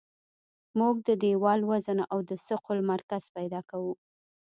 موږ د دیوال وزن او د ثقل مرکز پیدا کوو